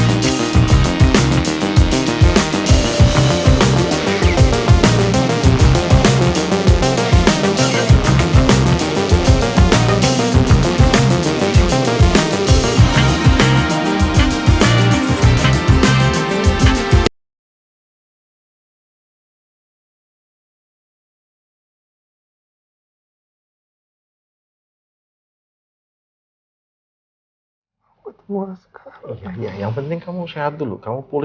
kembali seperti sudah lama sarah